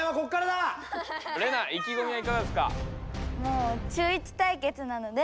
レナいきごみはいかがですか？